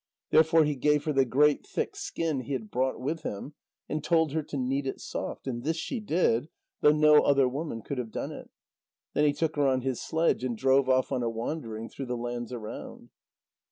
Therefore he gave her the great thick skin he had brought with him, and told her to knead it soft. And this she did, though no other woman could have done it. Then he took her on his sledge and drove off on a wandering through the lands around.